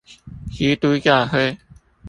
基督教會